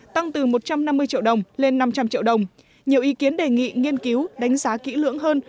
tăng từ một trăm năm mươi triệu đồng lên năm trăm linh triệu đồng nhiều ý kiến đề nghị nghiên cứu đánh giá kỹ lưỡng hơn